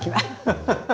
ハハハハ！